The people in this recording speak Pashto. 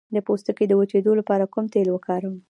د پوستکي د وچیدو لپاره کوم تېل وکاروم؟